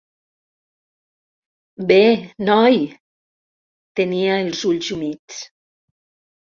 "Bé, noi!", tenia els ulls humits.